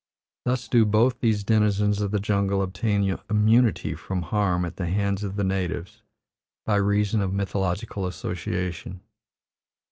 Thus do both these denizens of the jungle obtain immunity from harm at the hands of the natives, by reason of mythological association.